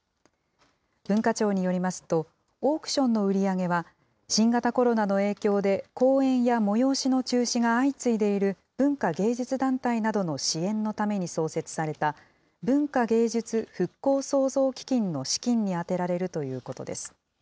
文化庁によりますと、オークションの売り上げは、新型コロナの影響で、公演や催しの中止が相次いでいる文化芸術団体などの支援のために創設された、文化芸術復興創造基金の資金に充てられるということです。